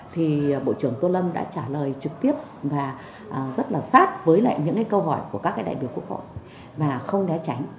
thì bộ trưởng tô lâm đã trả lời trực tiếp và rất là sát với lại những cái câu hỏi của các đại biểu quốc hội và không né tránh